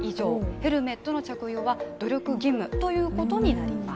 ヘルメットの着用は努力義務ということになります。